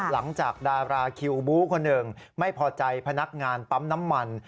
ดาราคิวบู๊คนหนึ่งไม่พอใจพนักงานปั๊มน้ำมัน